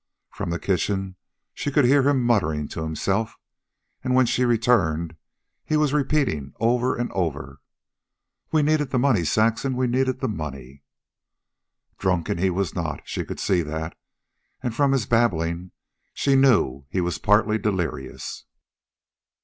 From the kitchen she could hear him mumbling to himself, and when she returned he was repeating over and over: "We needed the money, Saxon. We needed the money." Drunken he was not, she could see that, and from his babbling she knew he was partly delirious.